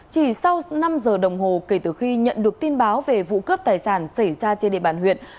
chỉ sau năm giờ đồng hồ kể từ khi nhận được tin báo về vụ cướp tài sản xảy ra trên địa bàn huyện